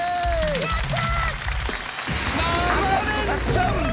やった！